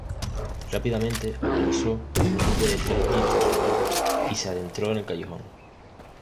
Rápidamente organizó un grupo de tres jeeps y se adentró en el callejón.